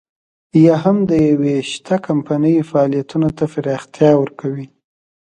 یا هم د يوې شته کمپنۍ فعالیتونو ته پراختیا ورکوي.